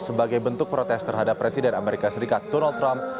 sebagai bentuk protes terhadap presiden amerika serikat donald trump